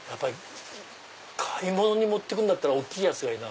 買い物に持って行くんだったら大きいやつがいいな。